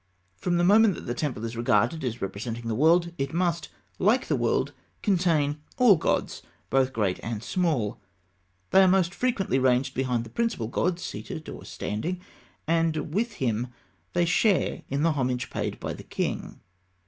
From the moment that the temple is regarded as representing the world, it must, like the world, contain all gods, both great and small. They are most frequently ranged behind the principal god, seated or standing; and with him they share in the homage paid by the king.